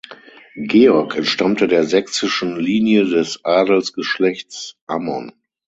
Georg entstammte der sächsischen Linie des Adelsgeschlechts Ammon.